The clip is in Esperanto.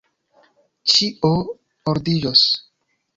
Ĉio ordiĝos!